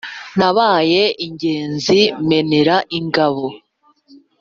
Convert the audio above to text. Nabaye ingenzi menera ingabo!